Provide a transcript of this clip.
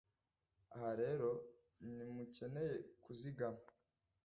Aha rero ntimukeneye kuzigama